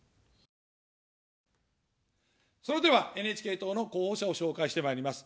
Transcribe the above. それではＮＨＫ党の候補者を紹介してまいります。